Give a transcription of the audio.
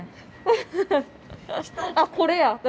あっこれや！